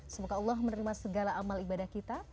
semoga allah menerima segala amal ibadah kita